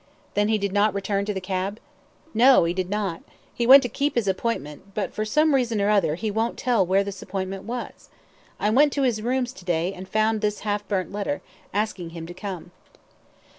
"Then he did not return to the cab?" "No, he did not, he went to keep his appointment, but, for some reason or other, he won't tell where this appointment was. I went to his rooms to day and found this half burnt letter, asking him to come."